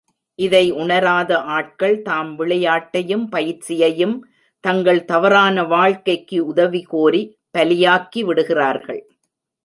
இதை உணராத ஆட்கள் தாம் விளையாட்டையும் பயிற்சியையும் தங்கள் தவறான வாழ்க்கைக்கு உதவி கோரி, பலியாக்கி விடுகிறார்கள்.